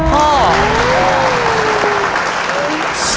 ๑๐ครับพ่อ